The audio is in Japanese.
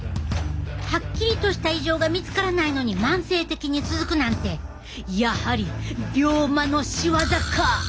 はっきりとした異常が見つからないのに慢性的に続くなんてやはり病魔の仕業か！